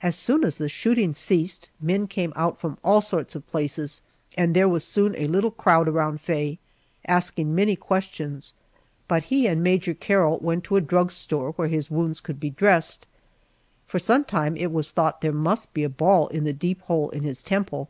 As soon as the shooting ceased men came out from all sorts of places, and there was soon a little crowd around Faye, asking many questions, but he and Major Carroll went to a drug store, where his wounds could be dressed. For some time it was thought there must be a ball in the deep hole in his temple.